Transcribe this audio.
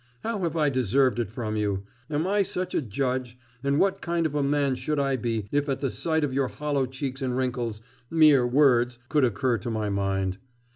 How have I deserved it from you? Am I such a judge, and what kind of a man should I be, if at the sight of your hollow cheeks and wrinkles, "mere words" could occur to my mind?